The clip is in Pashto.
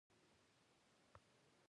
د افغانستان دښمنان ولې ناکام دي؟